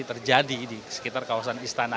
terjadi di sekitar kawasan istana